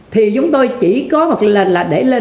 thì chúng tôi chỉ có một lần là để